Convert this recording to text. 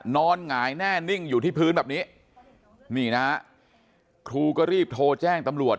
หงายแน่นิ่งอยู่ที่พื้นแบบนี้นี่นะฮะครูก็รีบโทรแจ้งตำรวจ